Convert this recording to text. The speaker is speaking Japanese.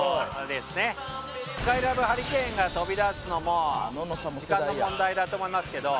スカイラブハリケーンが飛び出すのも時間の問題だと思いますけど。